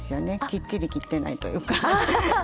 きっちり切ってないというかハハ。